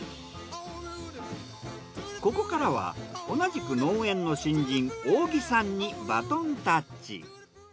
ここからは同じく農園の新人大木さんにバトンタッチ。